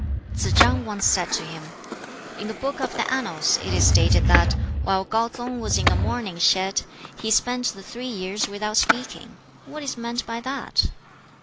Tsz chang once said to him, "In the 'Book of the Annals' it is stated that while KŠu tsung was in the Mourning Shed he spent the three years without speaking. What is meant by that?"